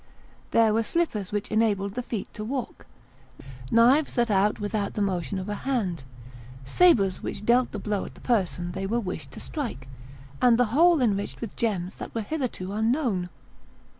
There were slippers which enabled the feet to walk; knives that cut without the motion of a hand; sabres which dealt the blow at the person they were wished to strike; and the whole enriched with gems that were hitherto unknown.